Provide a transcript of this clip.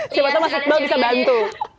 siapa tau mas iqbal bisa bantu